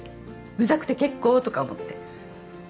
うざくて結構とか思って